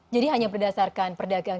jadi hanya berdasarkan perdagangan